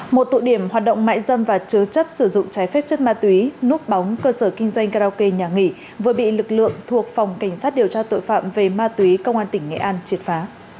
một tụ điểm hoạt động mại dâm và chứa chấp sử dụng trái phép chất ma túy núp bóng cơ sở kinh doanh karaoke nhà nghỉ vừa bị lực lượng thuộc phòng cảnh sát điều tra tội phạm về ma túy công an tỉnh nghệ an triệt phá